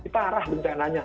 parah bencana nya